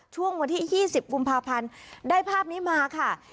ช่วงวันที่๒๐กุมภาพันธ์ได้ภาพนี้มาค่ะ